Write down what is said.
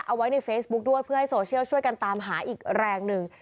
เอาไว้ในเฟซบุ๊คด้วยเพื่อให้โซเชียลช่วยกันตามหาอีกแรงหนึ่ง